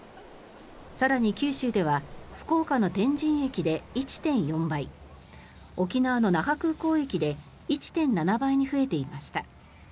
更に九州では福岡の天神駅で１．４倍沖縄の那覇空港駅で１．７倍に増えていました。